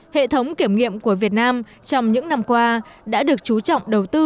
hệ thống kiểm nghiệm của việt nam trong những năm qua đã được chú trọng đầu tư